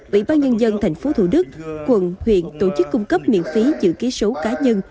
bị ban nhân dân thành phố thủ đức quận huyện tổ chức cung cấp miễn phí chữ ký số cá nhân